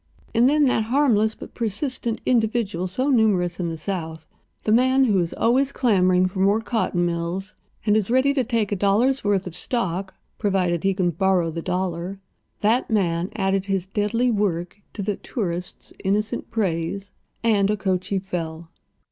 And then that harmless, but persistent, individual so numerous in the South—the man who is always clamoring for more cotton mills, and is ready to take a dollar's worth of stock, provided he can borrow the dollar—that man added his deadly work to the tourist's innocent praise, and Okochee fell.